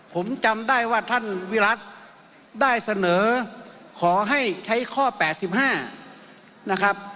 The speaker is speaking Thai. ผมจำได้ว่าท่านวิรัติได้เสนอขอให้ใช้ข้อ๘๕นะครับ